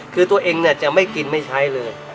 คือตัวเองจะไม่กินไม่ใช้เลย